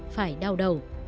phải đau đầu